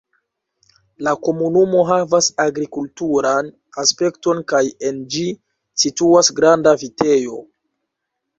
La komunumo havas agrikulturan aspekton kaj en ĝi situas granda vitejo.